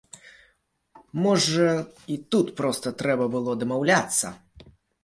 Можа, і тут проста трэба было дамаўляцца?